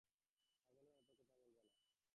পাগলের মতো কথা বলবে না।